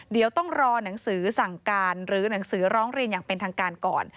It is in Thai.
เดี๋ยวต้องรอหนังสือสั่งการหรือหนังสือร้องเรียนอย่างเป็นทางการก่อน